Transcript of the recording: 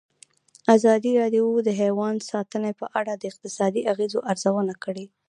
ازادي راډیو د حیوان ساتنه په اړه د اقتصادي اغېزو ارزونه کړې.